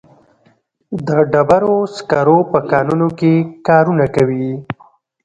د ډبرو سکرو په کانونو کې کارونه کوي.